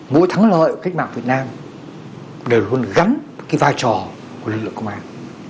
mỗi tháng lợi khách mạng việt nam đều luôn gắn cái vai trò của lực lượng công an